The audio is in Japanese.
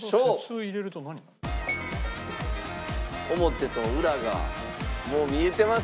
表と裏がもう見えてます。